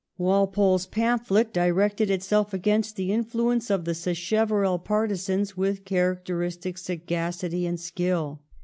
Walpole's pamphlet directed itself against the influence of the Sacheverell partisans with characteristic sagacity and skill.